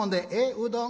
うどん？